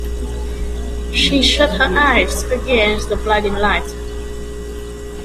She shut her eyes against the blinding light.